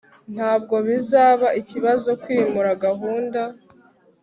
ntabwo bizaba ikibazo kwimura gahunda